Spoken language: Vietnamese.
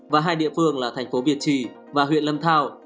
và hai địa phương là thành phố việt trì và huyện lâm thao